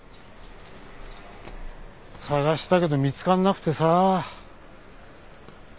捜したけど見つかんなくてさ。